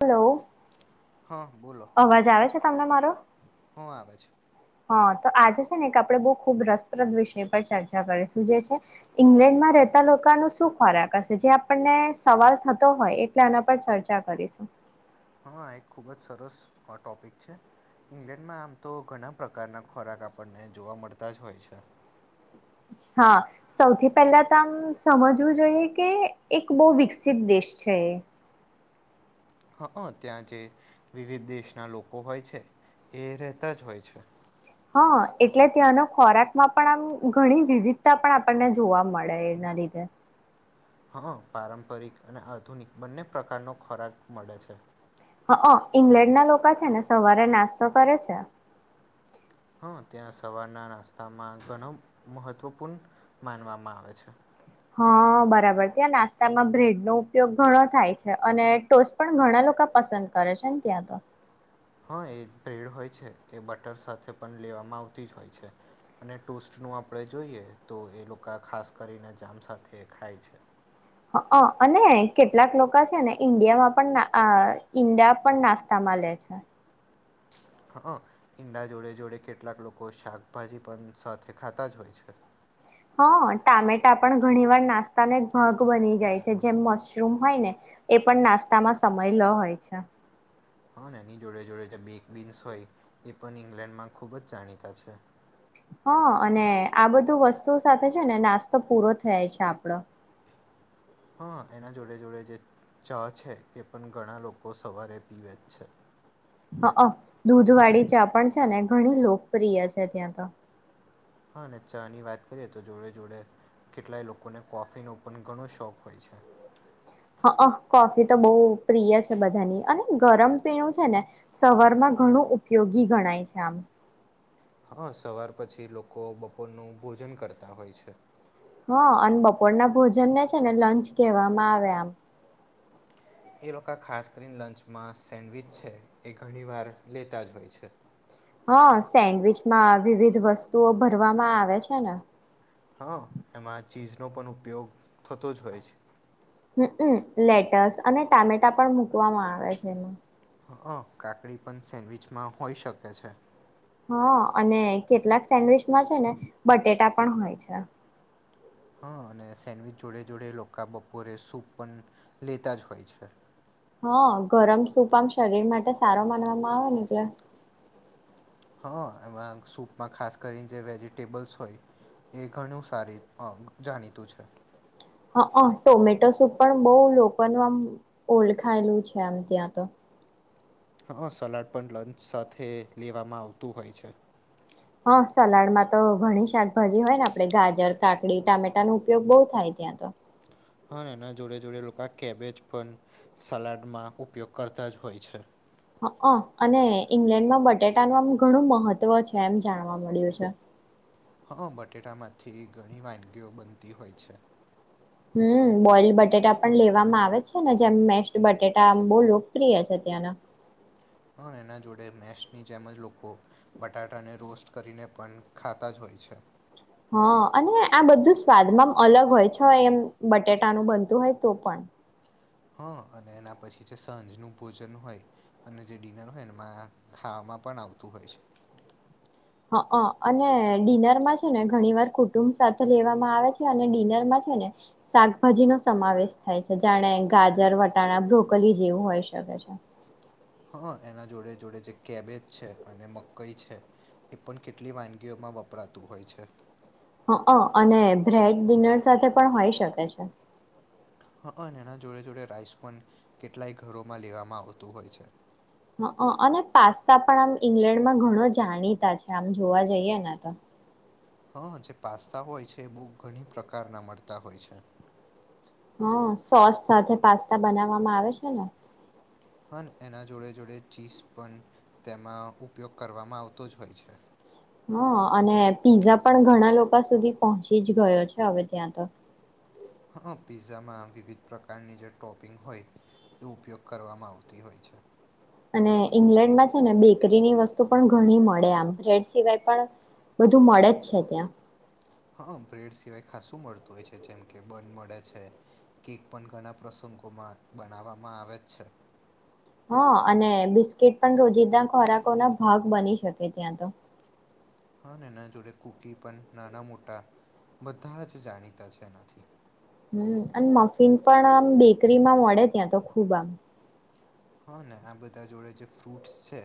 Hello હા બોલો સાને મારો હું આવે છે હા તો આજે છે ને એક આપડે બહુ ખુબ રસપ્રદ વિષય પર ચર્ચા કરીશું જે છે ઇંગ્લેન્ડમાં રહેતા લોકો ન શું ખોરાક હશે જે આપણને સવાલ થતો હોય એટલે આના પર ચર્ચા કરીશું હા એક ખુબ જ સરસ ટોપિક છે. ઈંગ્લેન્ડમાં આમ તો ઘણા પ્રકારના ખોરાક આપણને જોવા મળતા જ હોય છે. હા સૌથી પહેલા તો આમ સમજવું જોઈએ કે એક બહુ વિકસિત દેશ છે. છે. હ અ ત્યાં જે વિવિધ દેશના લોકો હોય છે. એ રહેતા જ હોય છે. હ એટલે ત્યાંનો ખોરાક માં પણ આમ ઘણી વિવિધતા પણ આપણને જોવા મળે એના લીધે. [inaudible] હા પારંપરિક અને આધુનિક બંને પ્રકારનો ખોરાક મળે છે. અ ઈંગ્લેન્ડ ના લોકો છે ને સવારે નાસ્તો કરે છે. હ ત્યાં સવારના નાસ્તામાં ઘણ મહત્વપૂર્ણ માનવામાં આવે છે. હા બરાબર ત્યાં નાસ્તામાં બ્રેડ નો ઉપયોગ ઘણો થાય છે અને ટોસ પણ ઘણા લોકો પસંદ કરે છે ને ત્યાં તો. હા એ બ્રેડ હોય છે એ બટર સાથે પણ લેવામાં આવતી જ હોય છે અને ટોસ્ટ. નું આપણેે જોઈએ તો એ લોકો ખાસ કરીને જામ સાથે ખાય છે. હ અ અને કેટલાક લોકો છે ને ઈન્ડિયામાં પણ ના અ ઈંડા પણ નાસ્તામાં લ છે હ ઈંડા જોડે જોડે કેટલાક લોકો શાકભાજી પણ સાથે ખાતા જ હોય છે હા ટામેટા પણ ઘણી વાર નાસ્તાને ભાગ બની જાય છે જેમ મશરૂમ હોય ને એ પણ નાસ્તામાં સમય લ હોય છે હા એની જોડે જોડે જે બેક બીન્સ હોય એ પણ ઈંગ્લેન્ડમાં ખૂબ જ જાણીતા છે હા અને આ બધું વસ્તુ સાથે છે ને નાસ્તો પૂરો થયાાય છે આપણો હા એના જોડે જોડે જે ચા છે એ પણ ઘણા લોકો સવારે પીવે જ છે હ હ દૂધ વાળી ચા પણ છે ને ઘણી લોકપ્રિય છે ત્યાં તો હા અને ચા ની વાત કરીએ તો જોડે જોડે કેટલાય લોકોને કોફી નો પણ ઘણો શોખ હોય છે [inaudible] હં કોફી તો બહુ પ્રિય છે બધાની અને ગરમ પીણું છે ને સવાર માં ઘણું ઉપયોગી ગણાય છે આમ હા સવાર પછી લોકો બપોરનુંભોજન કરતા હોય છે હા અને બપોરના ભોજન ને છે ને લંચ કહેવામાં આવે આમ એ લોકો ખાસ કરીને લંચમાં સેન્ડવિચ છે એ ઘણી વાર લેતા જ હોય છે હા સેન્ડવીચમાં વિવિધ વસ્તુઓ ભરવામાં આવે છે ને હા એમાં ચીઝનો પણ ઉપયોગ થતો જ હોય છે હુ લેટસ અને ટામેટા પણ મુકવામાં આવે છે એમાં હં કાકડી પણ સેન્ડવીચમાં હોઈ શકે છે હા અને કેટલાક સેન્ડવીચમાં છે ને બટેટા પણ હોય છે હા અને સેન્ડવીચ જોડે જોડે લોકો બપોરે સૂપ પણ લેતા જ હોય છે હ ગરમ સૂપ આમ શરીર માટે સારા માનવામાં આવે ને એટલે હા એમાં સૂપમાં ખાસ કરીને જે વેજીિટેબલ્સ હોય એ ઘણું સારી જાણીતું છે હા હ ટોમેટો સૂપ પણ બહુ લોકોનું આમ ઓળખાયેલું છે એમ ત્યાં તો હા સલાડ પણ લંચ સાથે લેવામાં આવતું હોય છે હા સલાડમાં તો ઘણી શાકભાજી હોય ને આપડે ગાજર કાકડી ટામેટા નો ઉપયોગ બહુ થાય ત્યા તો હા એના જોડે જોડે લોકો આ કેબેજ પણ સલાડમાં ઉપયોગ કરતા જ હોય છે હ અઅ ને ઈંગ્લેન્ડમાં બટેટાનું આમ ઘણું મહત્વ છે એમ જાણવા મળ્યું છે [inaudible] હા બટેટામાંથી ઘણી વાનગીઓ બનતી હોય છે હમ્મ બોઈલ બટેટા પણ લેવામાં આવે છે ને જેમ મેશ બટેટા બોહ લોકપ્રિય છે ના ના હ એના જોડે મેસની જેમ જ લોકો બટાટાને રોસ્ટ કરીને પણ ખાતા જ હોય થઈ છે [inaudible] હા અને આ બધું સ્વાદમાં અલગ હોય છે એમ બટેટાનું બનતું હોય તો પણ હ અને એના પછી જે સાંજ ન ભોજન હોય અને જે ડિનર હોય એમાં ખા માં પણ આવતું હોય છે [inaudible] [inaudible] હ અને ડિનરમાં છે ને ઘણી વાર કુટુંબ સાથે લેવામાં આવે છે અને ડિનરમાં છે ને શાકભાજી નો સમાવેશ થાય છે જાણે ગાજર વટાણા બ્રોકલી જેવું હોય શકે છે હ [inaudible] હા એના જોડે જોડે જે કેબેજ છે અને મકઈ છે એ પણ કેટલી વાનગીઓમાં વપરાતું હોય છે હં અને બ્રેડ ડિનર સાથે પણ હોઈ શકે છે હંઅને એના જોડે જોડે રાઇસ પણ કેટલાય ઘરોમાં લેવામાં આવતું હોય છે હંક અને પાસ્તા પણ આમ ઇંગ્લેન્ડમાં ઘણો જાણીતા છે આમ જોવા જઈએ ને તો હા જે પાસ્તા હોય છે એ બહુ ઘણી પ્રકારના મળતા હોય છે હા સોસ સાથે પાસ્તા બનાવવામાં આવે છે ને પણ એના જોડે જોડે ચીઝ પણ તેમાં ઉપયોગ કરવામાં આવતો જ હોય છે હ અ અને પીઝા પણ ઘણા લોકો સુધી પહોંચી જ ગયો છે હવે ત્યાં તો. હા પીઝામાં વિવિધ પ્રકારની જે ટોપિંગ હોય એ ઉપયોગ કરવામાં આવતી હોય છે. અને ઈંગ્લેન્ડમાં છે ને બેકરીની વસ્તુ પણ ઘણી મળે આમ બ્રેડ સિવાય પણ બધું મળે છે ત્યાં. હા બ્રેડ સિવાય ખાસું મળતું હોય છે જેમ કે બન મળે છે કેક પણ ઘણા પ્રસંગ ગો માં બનાવવામાં આવે જ છે. [inaudible] [inaudible] હ અને બિસ્કિટ પણ રોજીિંદા ખોરાકો ના ભાગ બની શકે ત્યાં તો. હ એના જોડે કુકી પણ નાના મોટા બધા જ જાણીતા છે એનાથી. હમ્મ અને મફીન પણ આમ બેકરી માં મળે ત્યાં તો ખુબ આમ. હા ને આ બધા જોડે જે ફ્રૂટસ છે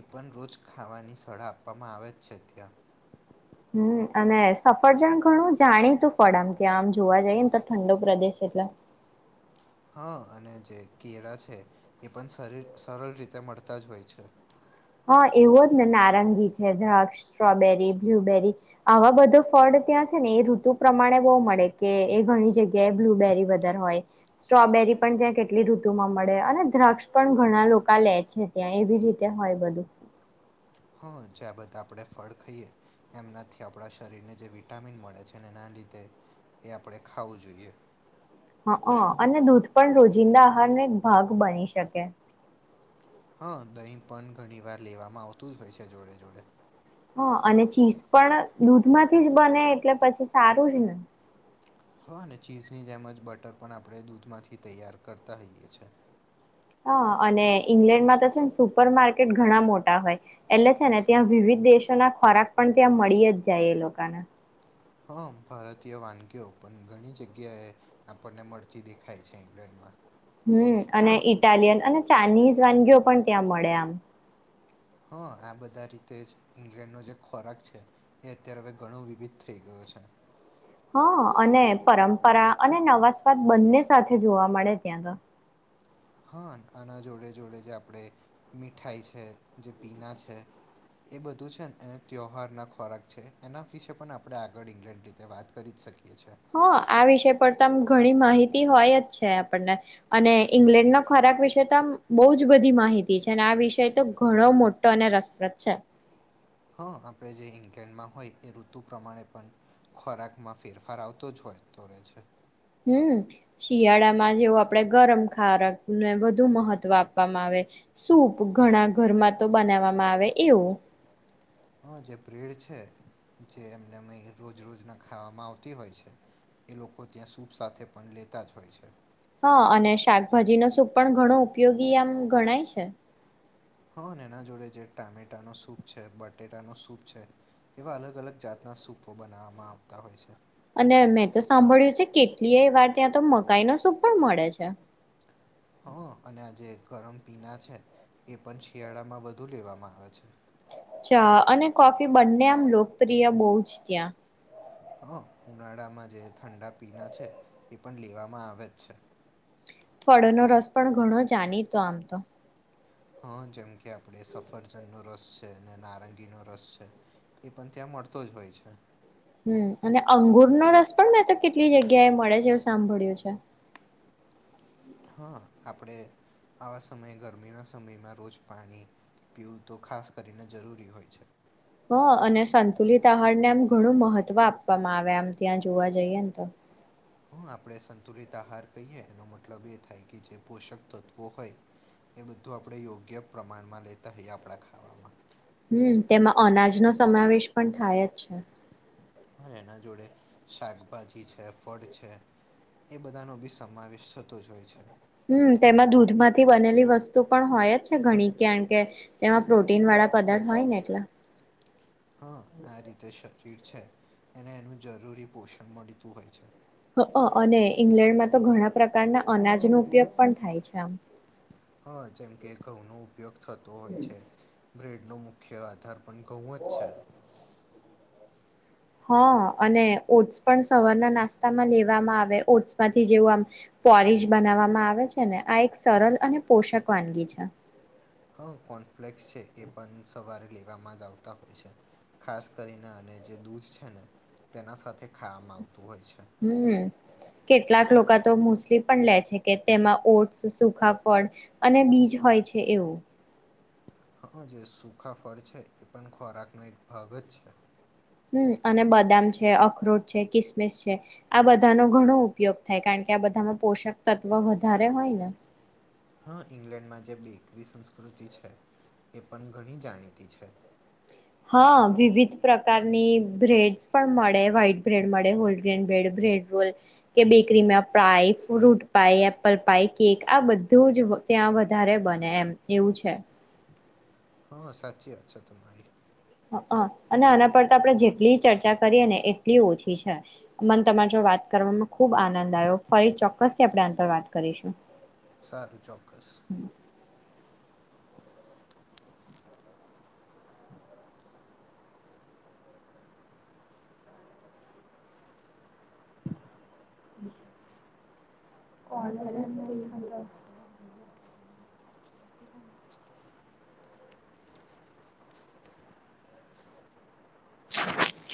એ પણ રોજ ખાવાની શળા આપવામાં આવે છે ત્યાં. [inaudible] [inaudible] હમ્મ અને સફરજન ઘણું જાણીતું ફળ આમ ત્યાં આમ જોવા જઈએ ને તો ઠંડો પ્રદેશ એટલા હ અને જે કેળા છે એ પણ શરીર સરળ રીતે મળતા જ હોય છે. હા એવો જ ને નારંગી છે દ્રાક્ષ સ્ટ્રોબેરી બ્લુબેરી આવા બધો ફળ ત્યાં છેને એ ઋતુ પ્રમાણે બહુ મળે કે એ ઘણી જગ્યાએ બ્લુબેરી વધારે હોય સ્ટ્રોબેરી પણ જે ત્યાં કેટલી ઋતુ માં મળે અને દ્રાક્ષ પણ ઘણા લોકો લે છે ત્યાં એવી રીતે હોય બ ધૂ. [inaudible] હ જે બધા આપણે ફળ ખાઈએ એમનાથી આપણા શરીરને જે વિટામિન મળે છે એને રીતે એ આપણે ખાવું જોઈએ. હ અ અને દૂધ પણ રોજિંદા આહારનો એક ભાગ બની શકે. હા દહીં પણ ઘણી વાર લેવામાં આવતું જ હોય છે જોડે જોડે. હ અને ચીઝ પણ દૂધમાંથી જ બને એટલે પછી સારું જ ને. હ અને ચીઝની જેમ જ બટર પણ આપણે દૂધમાંથી તૈયાર કરતા હઈએ છે. હ અને ઈંગ્લેન્ડમાં તો છે ને સુપર માર્કેટ ઘણા મોટા હોય એટલે છે ને ત્યાં વિવિધ દેશો ના ખોરાક પણ ત્યાં મળી જ જાય એ લોકોને. હમ્મ ભારતીય વાનગીઓ પણ ઘણી જગ્યાએ આપણને મળતી દેખાય છે ઇંગ્લેન્ડમાં. હમ્મ અને ઇટાલિયન અને ચાઇનીઝ વાનગીઓ પણ ત્યાં મળે આમ. હ, આ બધા રીતે જ ઈંગ્લેન્ડનો જે ખોરાક છે એ અત્યારે હવે ઘણું વિવિધ થઈ ગયો અચ્છા હ, અને પરંપરા અને નવા સ્વાદ બંને સાથે જોવા મળે ત્યાં તો હ, આના જોડે જોડે જે આપણે મીઠાઈ છે, જે પીના છે એ બધું છે ને એ ત્યોહાર ના ખોરાક છે એના વિશેે પણ આપણે આગળ ઈંગ્લેન્ડ રીતે વાત કરી જ શકીએ છીએ હ, આ વિષય પર તમ ઘણી માહિતી માહિતી હોય જ છે આપણ ને અને ઇંગ્લેન્ડ ખોરાક વિશે તો આમ બઉ જ બધી માહિતી છે આ વિષય તો ઘણો મોટો અને રસપ્રદ છે હ, આપણે જે ઈંગ્લેન્ડમાં હોય એ ઋતુ પ્રમાણે પણ ખોરાક માં ફેરફાર આવતો જ હોય તો રહેે છે હમ્મ, શિયાળામાં જેવું આપડે ગરમ ખારાક ને વધુ મહત્વ આપવામાં આવે સૂપ ઘણા ઘરમાં તો બનાવવામાં આવે એવું હ, જે બ્રેડ છે જે એમને અ રોજ રોજના ખાવામાં આવતી હોય છે એ લોકો ત્યાં સુપ સાથે પણ લેતા જ હોય છે હા, અને શાકભાજી ન સૂપ પણ ઘણો ઉપયોગી આમ ગણાય છે હ, એના જોડે જે ટામેટા નો સૂપ છે બટેટા નો સૂપ છે એવા અલગ અલગ જાતના સૂપો બનાવવામાં આવતા હોય છે અને મેં તો સાંભળ્યું છે કેટલીય વાર ત્યાં તો મકાઈ નો શૂપ પણ મળે છે હ, અને આ જે ગરમ પીના છે એ પણ શિયાળામાં વધુ લેવામા આવે છે ચા અને કોફી બંને આમ લોકપ્રિય બહુ જ ત્યા. હ ઉનાળામા જે ઠંડા પીના છે, એ પણ લેવામા આવે જ છે. ફળનો રસ પણ ઘણો જાનીતો આમ તો. હા જેમ કે આપડ સફરજનનો રસ છે અને નારંગીનો રસ છે. એ પણ ત્યાં મળતો જ હોય છે. હમ અને અંગુરનો રસ પણ મે તો કેટલી જગ્યા એ મળે છે એવુ સાંભળ્યું છે. હા આપણે આવા સમયે ગરમીના સમયમા રોજ પાણી પીવુ તો ખાસ કરીને જરૂરી હોય છે. હ અને સંતુલિત આહારને આમ ઘણુ મહત્વ આપવામા આવે આમ ત્યાં જોવા જઈએ ને તો. હા આપણે સંતુલિત આહાર કહીએ એનો મતલબ એ થાય કે જે પોષક તત્વો હોય. એ બધું આપણે યોગ્ય પ્રમાણમા લેતા હોઈએ આપણા ખાવામા હમ તેમાં અનાજનો સમાવેશ પણ થાય જ છે. એના જોડે શાકભાજી છે ફળ છે. એ બધાનો બી સમાવેશ થતો જ હોય છે. હમ તેમાં દૂધમાંથી બનેલી વસ્તુ પણ હોય જ છે ઘણી કારણ કે, તેમા પ્રોટીન વાળી પદાર્થ હોય ને એટલા. હા આ રીતે શરીર છે એને એનું જરૂરી પોષણ મળતુ હોય છે. અને ઈંગ્લેન્ડમા તો ઘણા પ્રકારના અનાજનો ઉપયોગ પણ થાય છે આમ. હા જેમ કે ઘઉં નો ઉપયોગ થતો હોય છે, બ્રેડ નો મુખ્ય આધાર પણ ઘઉં જ છે. હા અને ઓટ્સ પણ સવારના નાસ્તામા લેવામા આવે ઓટ્સ માંથી, જેવું આમ પોરીજ બનાવવામા આવે છે ને આ એક સરલ અને પોષક વાનગી છે. હા કોનફ્લેક્સ છે એ પણ સવારે લેવામા જ આવતા હોય છે, ખાસ કરીને અને જે દૂધ છે ને. તેના સાથે ખાવામા આવતુ હોય છે. હમ, કેટલાક લોકો તો મુસ્લી પણ લે છે કે તેમા ઓટ્સ સુખા ફ ળ, અને બીજ હોય છે એવું. હા જે સુખા ફળ છે એ પણ ખોરાકનો એક ભાગ જ છે. હમ અને બદામ છે અખરોટ છે કિસમિસ છે, આ બધાનો ઘણો ઉપયોગ થાય કારણ કે આ બધામા પોષક તત્વ વધારે હોય ને. હા ઈંગ્લેન્ડમા જે બેકરી સંસ્કૃતિ છે. એ પણ ઘણી જાણીતી છે. હા વિવિધ પ્રકારની બ્રેડસ પણ મળે વ્હઇટ બ્રેડ મળે હોલગ્રેન બ્રેડ બ્રેડ રોલ, કે બેકરીમાં pie fruit pie apple pie cake આ બધું જ ત્યાં વધારે બને એમ એવુ છે. હા સાચી વાત છે તમારી. હ અને આના પર તો આપડણે જેટલી ચર્ચા કરીએ ને એટલી ઓછી છે, મને તમારે જો વાત કર ખુબ આનંદ આવ્યો ફરી ચોક્કસથી આપણે આ પર વાત કરીશું. સારું ચોક્કસ. [inaudible] કોલ જ નઈ થતો [unintelligible] [inaudible]